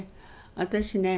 私ね